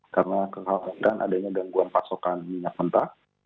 karena kesalahan adanya gangguan pasokan minyak mentah